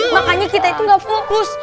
makanya kita itu gak fokus